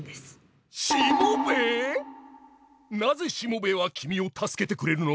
なぜしもべえは君を助けてくれるの？